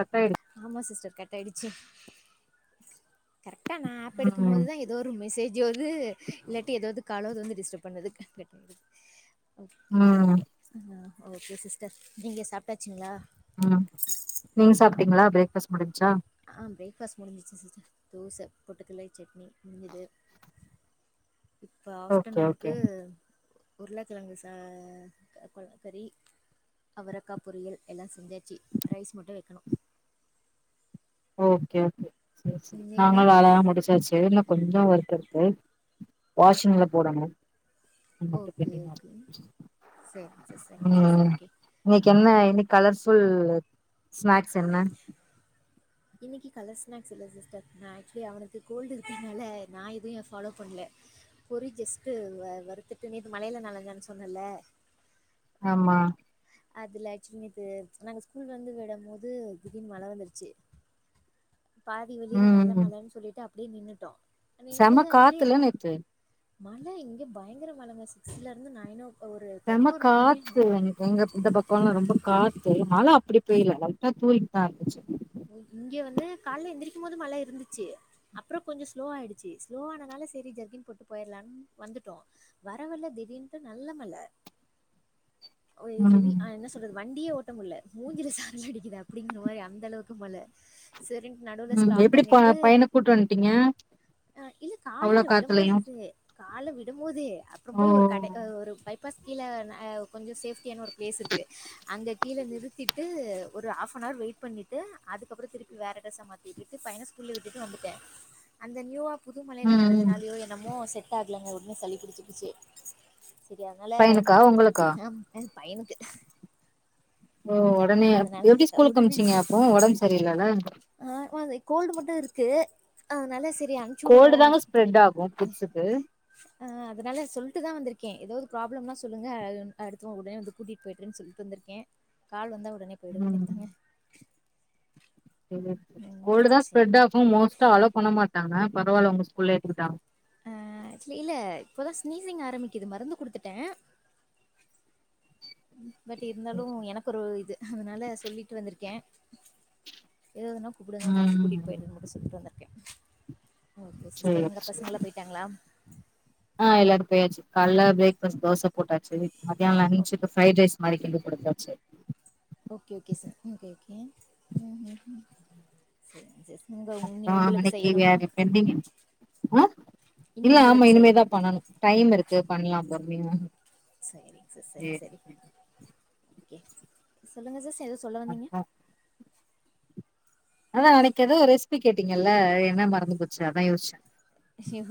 கட்தைடு ஆமா sister cut ஆய்டுச்சு கரெக்டா நா ஆப் எடுக்குபோது ம் தா ஏதோ ஒரு மெசேஜூவர்து இல்லாட்டி ஏதாவது காலாவது வந்து டிஸ்டர்ப் பண்னுது கட்டாயிடுது ஓகே ம் ஓ ஆ‌ஹ் ஓகே சிஸ்டர் நீங்க சாப்ட்டாச்சுங்ளா ம் நீங்க சாப்டடீங்ளா பிரேக்ஃபர்ஸ்ட் முடிஞ்ச்சா ஆ பிரேக்ஃபாஸ்ட் முடிஞ்சிச்சு சிஸ்டர் தோச பொட்டுக்கல்லை சட்னி முடிஞ்சது இப்ப ஓகே ஓகே ஆஃப்டர்நூன்கு உருளக்கிழங்கு ச கொளக்கறி அவரக்கா பொரியல் எல்லா செஞ்சாச் சி ரைஸ் மட்டு வெக்கணு ஓகே ஓகே சேரி சேரி நீங்க நாங்களு வேலயலா முடுச்சாச்சு [unintelligible] கொஞ்சோ ஒர்க் இருக்கு வாஷின்ல போடனூ ம் ஓகே ஓகே சரிங்க சிஸ் சரிங்க சிஸ் ம் ஓகே இன்னைக்கி என்ன இன்னைக் கலர்ஃபுல் ஸ்நாக்ஸ் என்ன இன்னைக்கி கலர் ஸ்நாக்ஸ் இல்ல சிஸ்டர் ஆக்சுவலி அவனுக்கு கோல்டு இருக்கதுனால நா எதையு ஃபாலோ பண்ல பொறி ஜஸ்ட்ட் வ வறுத்துட்டு மீதி மழயில நனைஞ்சானு சொன்னல ஆம்மா அதுல்ல ஆக்சுவலி நேத்து நாங்க ஸ்கூல்ல வந்து விட போது திடீர் மழ வந்துருச்சு பாதி வெளியில நல்ல ம் மழன்னு சொல்லிட்டு அப்டியே நின்னுட்டோ நின்னுட்டு செம ஆக்சுவலியா காத்துல நேத்து மழ இங்க பயங்கர மழங்க சிக்ஸல இருந்து நைனோ ஒ ஒரு பதினோரு மணி வரையு எங்கப் இந்த பக்கோல ரொம்ப காத்து மழ அப்டி போயில லைட்டா தூரிட் இங்க வந்து கால்ல எந்திரிக்கு போது மழ இருந்துச்சு அப்றோ கொஞ்ச ஸ்லோ ஆயிடுச்சு ஸ்லோவ ஆனால செரி ஜர்க்கின் போட்டு போய்டலானு வந்துட்டோ வர வல்லா திடீனுட்டு நல்ல மழ ஒரே ஹெவி ம் ஆ என்ன சொல்றது வண்டியே ஓட்ட முல்ல மூஞ்சில சாரல் அடிக்குது அப்டிங்க போய் அந்த அளவுக்கு மழ செரின்ட்டு நடுவுல ம் ஸ்டாப் எப்டி ப பண்ணிட்டு பையன கூட்டு வந்ட்டீங்க ஆ இல்ல அவ்ளோ காலையில விட காத்துலயு போது [inaudible] காலை விடுபோது அப்றோ போய் ஒரு கடை ஓ அ ஒரு பைபாஸ் கீழ ஆ கொஞ்சோ சேஃப்டியான ஒரு பிளேஸ் இருக்கு அங்க கீழ நிறுத்திட்டு ஒரு ஆஃப்னவர் வெயிட் பண்ணிட்டு அதுக்கப்பறோ திருப்பி வேற டிரஸ்ஸ மாத்திட்டு பையனை ஸ்கூல்ல விட்டு வந்துட்டே அந்த நியூ புதுமழயில ம் ம் நெனஞ்சனாலயோ என்னமோ செட் ஆகலைங்க உடனே சளி புடிச்சிகிச்சி செரி அதனால பையனுக்கா உங்களுக்கா ஆ ஆ பையனுக்கு ஓ உடனே அதனால எப்டி ஸ்கூலுக்கு உடனே அமிச்சீங்க அப்போ ஒடம்பு சரியில்லாத ஆ [inaudible] இந்த கோல்டு மட்டு இருக்கு அதுனால செ ரி அனுச்சுடுவோ கோல்டு தாங்க ஸ்ப்ரெட் ஆகு கிட்ஸுக்கு ஆ அதனால சொல்ட்டுதா வந்திருக்கே ஏதாவ்து ப்ராப்ளம்னா சொல்லுங்க அடுத்தவ உடனே வந்து கூட்டிட்டு போய்டுறேன்னு சொல்ட்டு வந்திருக்கே கால் வந்தா உடனே போய்ட ம் வேண்டியதாங்க செரி கோல்டு தா ஸ்ப்ரெட் ஆகு மோஸ்ட்டா ஆளோ பண்ண மாட்டாங்க பரவால்ல உங்க ஸ்கூல்லே எத்துக்கிட்டாங்க ஆ ஆக்சுவலி இல்ல இப்போதா ஸ்னீசிங் ஆரம்பிக்கக்குது மருந்து குடுத்துட்டே பட் இருந்தாலு எனக்கு ஒரு இது அதனால சொல்லிட்டு வந்திருக்கே ஏதாவ்துன்னா கூப்டுங்க ஒன்னே வந்து கூட்டிகிட்டு ம் போய்ட்றான்னு இப்ப சொல்ட்டு வந்திருக்கே ஒகே சேரி சிஸ்டர் உங்க சேரி பசங்களா போய்ட்டாங்களா ஆ எல்லாரு போயாச்சு கால பிரேக்ஃபாஸ்ட் தோச போட்டாச்சு மாத்தியான ஓகே லஞ்ச்க்கு ஃப்ரைட் ரைஸ் மாரி கிண்டி குடுத்தச்சி ஓகே ஓகே சா ம் ஓகே ஓகே ம் [inaudible] இனி அப்றோ உங்களுக்கு அனைக்கி செய்யணுமா வேற பெண்டிங் [inaudible] ஆ இனி இல்ல உங்களுக்கு ஆமா இனிமே செய்யணு தா பண்ணணு டைம் இருக்கு பண்லா பொறுமையா செரிங்க சிஸ் சரி சேரி சரி சேரி ஓகே சொல்லுங்க சிஸ் ஏதோ சொல்ல வந்தீங்க அப்றோ அதா அனைக்கு ஏதோ ரெஸ்பி கேட்டீங்கல்ல என்ன மறந்து போச்சு அதா யோசிச்சே [unintelligible] ஒகே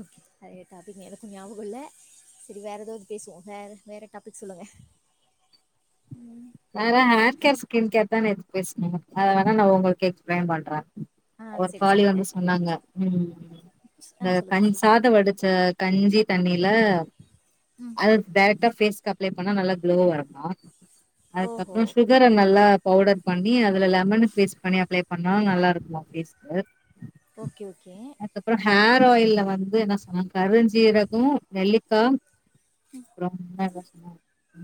அய்யோ டாபிக் எனக்கு ஞாபகோமில்ல செரி வேற ஏதாவ்து பேசுவோ வேற வேற டாபிக் சொல்லுங்க ம் அற ஹேர் ஒரு கேர் ஸ்கின் கேர் தானே பேசினோ அத வேணா நா உங்களுக்கு எக்ஸ்பிளைன் பண்ற ஆ ஒரு சரி காளி சொல்லுங்க வந்து சொன்னாங்க உம் ஆ இந்த சொல்லுங்க கஞ் சிஸ் சாதம் வடிச்ச காஞ்சி தண்ணில உம் அது டேரெக்டாக ஃபேஸ்க்கு அப்ளை பண்ணா நல்ல க்ளோ இருக்கு ஓஹோ அதுக்கப்ரோ சுகர நல்லா பவுடர் பண்ணி அதுல லெமனு போஸ்ட் பண்ணி அப்ளை பண்ணாலு நல்லா இருக்கு ஃபேஸ்க்கு ஓகே ஓகே அதுப்ரோ ஹேர் ஆயில்ல வந்து என்ன சொன்னா கருஞ்சீரகோ நெல்லிக்கா [inaudible] ரொம்ப என்ன சொன்னா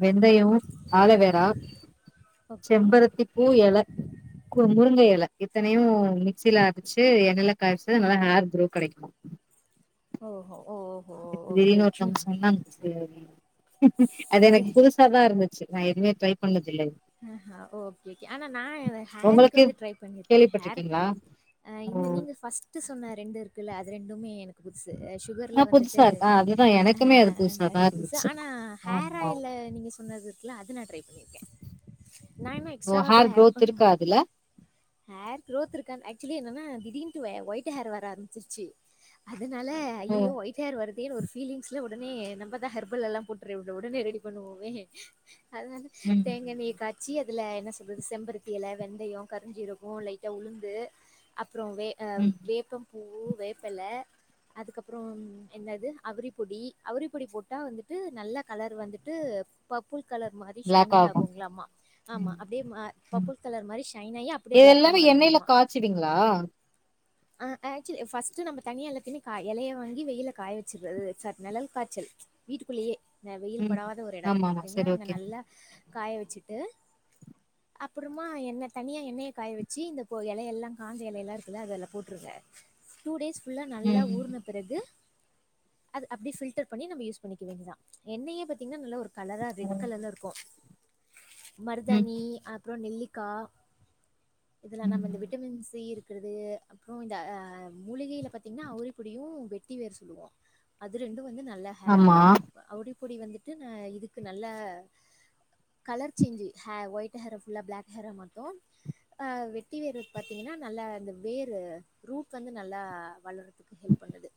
வெந்தயம் ஆலுவேற ஓகே செம்பறத் திப் பூ எல கு முருங்க எல இத்தனையு மிக்சில அரச்சி எண்ணெலே காயச்சி நல்ல ஹேர் குரோ கெடைக் [inaudible] ஓஹோ ஓ திடிருனு ஒருத்தங்க சொன்னாங்க சேரி அது சரி எனக்கு புதுஸ் சாதா இருந்துச்சி நா எதுவுமே ட்ரை பண்ணது இல்ல அ ஹா ஓகேக்க ஆனா நா ஹேர்க்கு உங்களுக்கு வந்து ட்ரை பண்ணியிருக்க ஹேர்க் கேள்விப்பட்ருக்கீங்களா ஓ இந்த நீங்க பஸ்ட்டு சொன்ன ரெண்டு இருக்குல்ல அது ரெண்டுமே எனக்கு புதுசு சோ சுகர்ல ஆ வந்துட்டு புதுசா இருக்கு ஆ அதுதா அஹ எனக்குமே அது அ அங்க புதுசாதா அதுகுஷ்ச இருந்துச்சு ஆனா ஹேர் ஆமா ஆயிலில நீங்க சொன்னது கிலா அது நா ட்ரை பண்ணிருக்கை நா இன்னு ஓ எக்ஸ்ட்ராவா கூட ஹேர் அட் க்ரோத் இருக்கா பண்ணுமோ அதுல ஹேர் க்ரோத் இருக்கன் ஆக்சுவலி என்னன்னா திடீர்னுட்டு ஒவவ் ஒயிட் ஹேர் வர ஆரம்பிச்சிருச்சி அதனால ஓ ஐயயோ ஒயிட் ஹேர் வருதேன்னு ஒரு பீலிங்ஸ்ல உடனே நம்ப தா ஹர்பல் எல்லா போட்டு உடனே ரெடி பண்ணுவோமே அதுனால ம் தேங்காயண்ணய காய்ச்சி அதுல என்ன சொல்றது செம்பருத்தியல வெந்தயோ கருஞ்சிரகே லைட்டா உளுந்து அப்ரோ வே அம் ம் வேப்ப பூவு வேப்பல அதுக்கப்ரோ என்னது அவ்ரி பொடி அவ்ரி பொடி போட்டா வந்துட்டு நல்ல கலர் வந்துட்டு பர்புள் கலர் மாரி பிளாக் சைனிங் ஆகு ஆகுங்களமா ஆமா ம் அப்டியே ம ம் பர்புள் கலர் மாரி சையின் ஆயி அப் எப்டி இது பிளாக்கா எல்லாமே எண்ணெய்ல மாறுங்களாமா காய்ச்சுவீங்களா ஆ ஆக்சுவலி ஃபஸ்ட் நம்ப தனியா எல்லாத்தையுமே காய இலைய வாங்கி வெயில காய வச்சுறது சார் நெலல் காய்சல் வீட்டுக்குள்ளேயே அ வெயில் ம் படாத ஒரு எடம் ஆமா ஆமா இருக்குங்களா சரி அங்க ஓகே நல்லா காய வச்சிட்டு அப்புறமா எண்ண தனியா எண்ணைய காய வச்சி இந்த போ இலை எல்லா காஞ்ச இலை எல்லா இருக்குல அத இதுல போட்டுருவ டூ டேஸ் புல்லா நல்லா ம் ஊர்ன பிறகு அது அப்டி பில்டர் பண்ணி நம்ம யூஸ் பண்ணிக்க வேண்டியதா எண்ணெயே பாத்தீங்கன்னா நல்லா ஒரு கலரா ரெட் ம் கலர்ல இருக்கு ம் மருதாணி அப்ரோ நெல்லிக்கா இதுல நம்ப இந்த ம் விட்டமின் சி இருக்கிறது அப்ரோ இந்த அ அ மூலிகையில பாத்தீங்னா அவுரி பொடியு வெட்டி வேர் சொல்லுவோ அது ரெண்டு வந்து நல்ல ஹே ஹ ஆமா ஹ அவுடி பொடி வந்துட்டு அ அ இதுக்கு நல்ல கலர் சேஞ்ஜி ஹே ஒயிட் ஹேர ஃபுல்லா பிளாக் ஹேரா மாத்து அ வெட்டி வேர் பாத்தீங்கன்னா நல்லா அந்த வேர் ரூட் வந்து நல்லா வளரு ஹெல்ப் பண்ணுது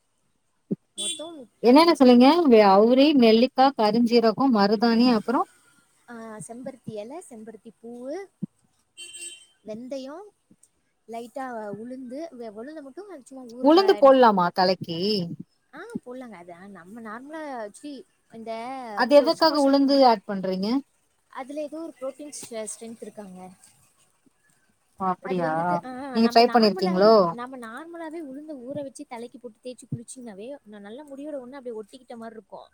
மொத்தோ என்னன்ன சொல்லீங்க இந்த அவுரி நெல்லிக்கா கருஞ்சீரகம் மருதாணி அப்ரோ ஆ செம்பருத்தி எல செம்பருத்தி பூவு வெந்தயோ லைட்டா உளுந்து வ உளுந்த மட்டு உளுந்து போல்மா தலைக்கி ஆஹ் போலாங்க அது நம்ம நார்மலா சி இந்த அது பொசு எதுக்காக பொசுனு உளுந்து மூடி ஆட் பண்றீங்க? அதுல ஏதோ ஒரு புரோட்டீன் சே ஸ்டேன்த் இருக்காங்க ஓ! அது அப்படியா? வந்துட்டு அ நீங்க நம்ம ட்ரை நார்மலாவே பண்ணியிருக்கீங்களோ? நம்ம நார் நர்மலாவே உளுந்த ஊற வச்சு தலைக்கு போட்டு தேச்சு குளிச்சின்னாவே நல்ல முடியோட ஒண்ணு அப்டிய ஒட்டிக்கிட்ட மாரி இருக்கோம்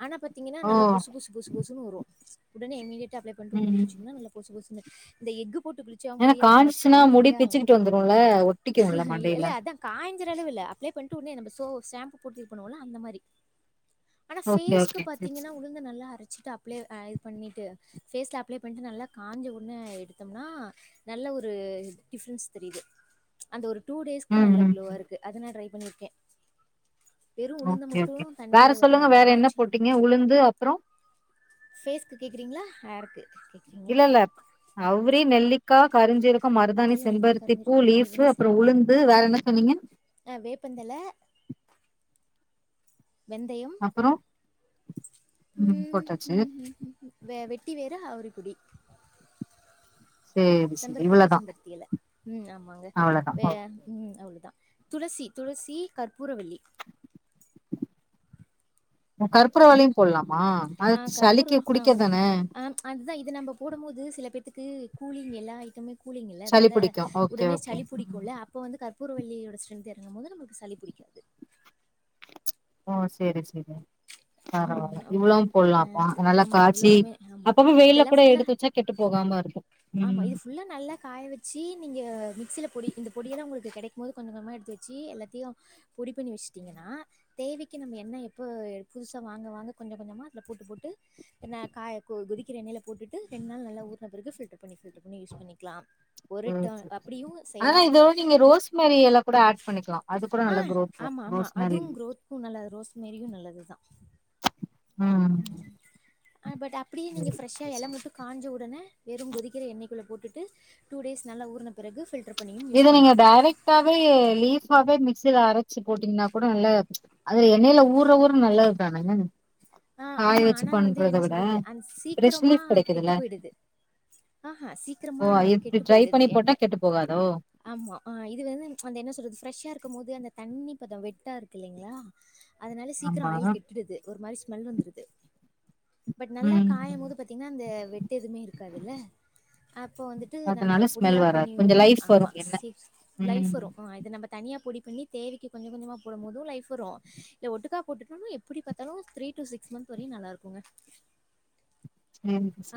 [inaudible] ஆனா பாத்தீங்கன்னா ஓ! நல்லா பொசு பொசு பொசு பொசுன்னு வரும் உடனே இமீடியேட்டா அப்ளை பண்ணிட்டு ம். உடனே ம். குளிச்சிங்கன்னா நல்லது பொசு பொசுன்னு இந்த எஃகு போட்டு குளிச் ச்சா ஏன்னா மூடியலாம் நல்லா காஞ்சுச்சுன்னா முடி ஷைனிங்கா வரும் பிச்சுக்கிட்டு வந்துரும்ல. ஒட்டிக்கும்ல ல்ல மண்டையில. அதான் காயஞ்சிற அளவு இல்ல அப்ளை பண்ணிட்டு உடனே நம் சோ சாம்பு போட்டு இது பண்ணுவோல அந்த மாதிரி ஆனா ஓகே, ஃபேஸ்க்கு ஓகே. சரி, பாத்தீங்கன்னா சரி. உளுந்த நல்ல அறச்சிட்டு அப்ப அப்ளே இது பண்ணிட்டு பேஸ்ல அப்ளை பண்ணிட்டு நல்லா காஞ்ச உடனே எடுத்து தும்னா நல்ல ஒரு டிப்ரன்ஸ் தெரியுது அந்த ஒரு டூ டேஸ்க்கு ம், நல்ல ம். குளோவா இருக்கு க்கு அத நான் ட்ரை பண்ணிருக்கேன் வெறும் உளுந்த மட்டும் தண்ணியில ஹ [unintelligible] ங்க உளுந்து அப்றோம் பேஸ்கு கேக்குறீங்களா ஹர்க்கு இல்லல்ல அவுரி நெல்லிக்கா கருஞ்சீரக மருதாணி ஒரே நெல்லிக்கா செம்பருத்தி பூ கரைஞ்சிருக்கும் லீஃப்பு மருதாணி அப்றோம் உளுந்து வேற என்ன சொன்னீங்க ஆ வேப்பந்தல வெந்தையம் அப்புறம்? ம் ம் ம் ம் ம் வெ வெட்டி வேரு அவரிக்குடி சரி, சரி. செம்பருத்தி பூ இவ்வளதான். செம்பருத்தி எல ம் ஆமாங்க வே அவ்ளோதா ம் அவ்ளோதான் துளசி துளசி கற்பூரவள்ளி ஓ கற்பூரவல்லியும் போட்லாமா அது ஆ சளிக்கு கற்பூரம் ஆ குடிக்க அது தான ஆ அதுதா இத நம்ப போடும் மோது சில பேர்த்துக்கு கூலிங் எல்லா ஐட்டமே கூலிங் இல்ல சளி அதனால புடிக்கு ஓகே உடனே ஓகே சளி ம். பிடிக்குல அப்ப வந்து கற்ப் பூரவல்லியோட ஸ்ரென்த்து எறங்கும்போது நம்மளுக்கு சளி பிடிக்காது ஓ செரி செரி பரவால ம் இவ்வளவும் ஓகே ஆ போடலாம் அப்ப நல்ல ஆமா காய்ச்சி இவ்ளவுமே ஆமா அப்பப்ப வெயில இதெல்லா கூட ஃபுல்லா எடுத்து வச்சா கெட்டுப் போகாம இருக்கும் ஆமா இது ஃபுல்ல நல்லா காய வச்சு நீங்க மிக்சியில பொடி இந்த பொடியெல்லாம் உங்களுக்கு கெடைக்கும் மோது கொஞ்சம் கொஞ்சமா எடுத்து வச்சு எல்லாத்தியும் பொடிப் பண்ணி வச்சுட்டீங்கன்னா தேவைக்கு நம்ம எண்ணெய் எப்போ புதுசா வாங்க வாங்க கொஞ்ச கொஞ்சமா அதுல போட்டு போட்டு நா காய கொதிக்கிற எண்ணெயில போட்டுட்டு ரெண்டு நாள் நல்லா ஊர்ன பிறகு ஃபில்டர் பண்ணி ஃபில்டர் பண்ணி யூஸ் பண்ணிக்கலாம் ஒரு சேரி டேர்ன் சேரி அப்டியும் ஆனா செய்யலாம் இதோட நீங்க ரோஸ்மேரி எல கூட ஆட் பண்ணிக்கலா அது கூட ஆ நல்லா குரோத் வரு ஆமாமாம ரோஸ்மேரி அதுவு லீஃப். க்ரோத்துக்கும் நல்லது ரோஸ் மேரியும் நல்லதுதான் ம் ஆ ஃபட் அப்டியே நீங்க ஃரெஷ்ஷா எல சரி. மட்டும் காஞ்ச உடன வெறுங் கொதிக்கிற எண்ணெய்க்குள்ள போட்டு டூ டேஸ் நல்லா ஊர்ன பிறகு ஃபில்ட்ர்ப் இது நீங்க டேரெக்டாவே லீஃப்பாவே மிக்சில அரைச்சு போட்டீங்கனா கூட நல்ல அது எண்ணயில ஊர்ற ஊர நல்லதுதானங்க ஆ ஆமா ஆனா வந்து என்ன சொல்றது அது ஃப்ரெஷ் சீக்கிரமா லீஃப் கெடைக்குதுல்ல கெட்டு போயிடுது ஆஹ ஓ சீக்கிரமா இப்டி கெட்டு ட்ரை போயிடுது பண்ணி போட்டா எண்ணெ கெட்டு போகாதோ ஆமா இது வந்து அந்த என்ன சொல்றது ஃப்ரெஷ்ஷா இருக்கும் போது அந்த தண்ணி பதம் வெட்டா இருக்கு இல்லைங்களா அதனால சீக்கிரம் ஆமா ஆயில் கெட்டுடுது ஒரு மாரி ஸ்மெல் வந்துருது பட் நல்லா காயும் ம் போது பத் தீன்னா அந்த வெட்டெதுமே ருக்காதுல்ல அப்பொ வந்துட்டு அதனால நம்ம ஸ்மெல் புடியா வராது பண்ணிர்வோ கொஞ்சோ லைஃப் வரு ஆமா எண்ண சிஃப்ஸ் லைஃப் ம் வரு இது நம்ம தனியா பொடி பண்ணி தேவெக்கு கொஞ்ச கொஞ்சமா போடும் போது லைஃப் வரு இல்ல ஒட்டுக்கா போட்டுட்டோனு எப்டி பாத்தாலு த்ரீ டு சிக்ஸ் மந்த் வரையு நல்லா ருக்குங்க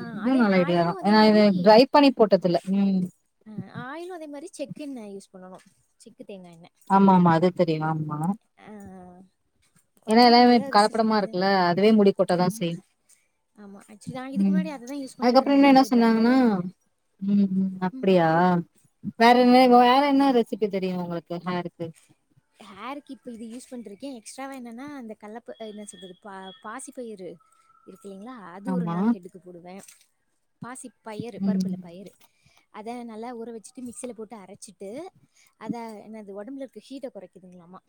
ஆ இதுவு அதே நல்ல ஐடியா ஆயிலு தா அதே ஏன்னா மாரி இது ட்ரை அ பண்ணி போட்டதில்ல ம் ஆ ஆயிலு அதே மாரி செக்கெண்ணெ யூஸ் பண்ணனு செக்கு தேங்கா எண்ணெ ஆமாமாம அது தெரியு ஆமா ஆ ஏன்னா பண்ணா எல்லாமே நல்லா இப்ப ரிசல்ட் கலப்படமா கெடக்குது இருக்குல்ல அதுவே முடி கொட்டதா ஆமா செய்யு ஆமா ஆக்சுவலா இதுக் ம் முன்னாடி அததா யூஸ் பண்ணிட் அதுக்கப்றோ ருந்த இன்னு இந்த என்ன மாரி சொன்னாங்கன்னா பிராண்டெடூனு ம் ம் அப்டியா வேற ஆமா என்ன ஆமா வேற என்ன ரெசிபி தெரியு உங்களுக்கு ஹேருக்கு ஹேருக்கு இப்ப இது யூஸ் பண்ருக்கெ எக்ஸ்ட்ராவா என்னன்னா அந்த கள்ளப்ப என்ன சொல்றது பா பாசிப் பயிரு இருக்குல்லேங்ளா அது ஒரு ஆமா நாள் ஹெட்டுக்கு போடுவே பாசிப் பயரு ம் பருப்பில்ல பயரு அத நல்லா ஊற வச்சுட்டு மிக்சில போட்டு அரச்சிட்டு அத என்னது ஒடம்புல ருக்க ஹீட்ட கொறக்கிதுங்ளாமா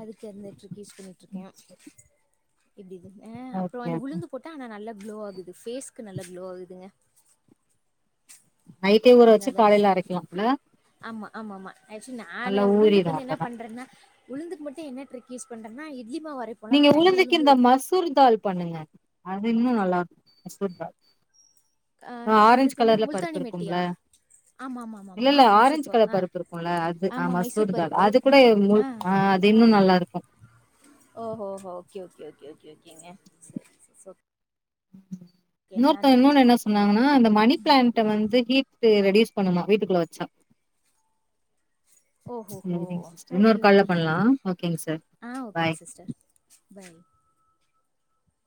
அதுக்கு அந்த ட்ரிக்கு யூஸ் பண்ணிட்ருக்கே எப்டிதுனு ஆ அப்புற ஓகே அந்த ஓகே உளுந்து போட்டா ஆனா நல்ல க்ளோ ஆகுது ஃபேஸ்க்கு நல்ல க்ளோ ஆகுதுங்க நைட்டே ஊற அது வச்சு நல்லா காலைல ரிசல்ட் இருக்கு அரைக்லா இல்ல ஆமா ஆமாமாம ஆக்சுவலி நானு உளுந்துக்கு ஊறிரு வந்து என்ன அப்பதா பண்றேன்னா உழுந்துக்கு மட்டு என்ன ட்ரிக்கு யூஸ் பண்றன்னா இட்லிமாவரைப் நீங்க உளுந்துக்கு இந்த மசூர்தால் பண்ணுங்க அது இன்னு நல்லார்க் மசூர்தால் ஆ ஆரஞ்ச் என்னதுங்க கலர்ல பருப்பு முல்தானி இருக்கும்ல மெட்டியா ஆமா ஆமா ஆமா ஆமா இல்லல்ல மைசூர் ஆரஞ்சு பா கலர் ஆ பருப்பிருக்குல்ல அது ஆ ஆமா மைசூர் மசூர் தால் பருப்பு அது கூட முழு ஆ அது இன்னு நல்லார்க்கு ஓஹோ ஹோ ஓக்கே ஓக்கே ஓக்கே ஓக்கே ஓக்கேங்க சரி ச சொ இன்னோர்த்தங் இன்னொன்னு என்ன சொன்னாங்ன்னா இந்த மணி பிளான்ட் வந்து ஹீட்டு ரெடியூஸ் பண்ணுமா வீட்டுக்குள்ள வச்சா ஓஹோஹோ சரிங்க சிஸ்டர் ஓகே இன்னோர் கால்ல ஓகே பண்லா ஓகேங் சார் ஆ பாய் ஓகேங்க சிஸ்டர் பாய்